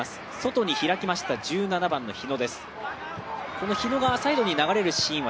この日野がサイドに流れるシーンは